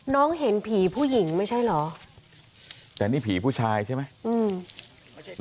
น้องเห็นผีผู้หญิงไม่ใช่เหรอแต่นี่ผีผู้ชายใช่ไหมอืม